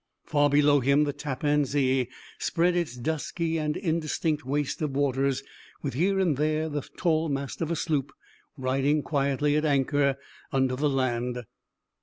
Far below him the Tappaan Zee spread its dusky and indistinct waste of waters, with here and there the tall mast of a sloop, riding quietly at anchor under the land.